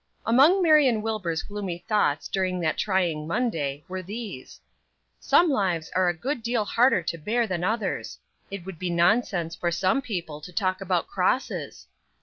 AMONG Marion Wilbur's gloomy thoughts during that trying Monday were these: "Some lives are a good deal harder to bear than others. It would be nonsense for some people to talk about crosses.